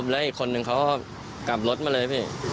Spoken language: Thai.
แล้วอีกคนนึงเขาก็กลับรถมาเลยพี่